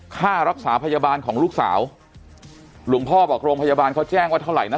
ค่ารักษาพยาบาลของลูกสาวหลวงพ่อบอกโรงพยาบาลเขาแจ้งว่าเท่าไหร่นะ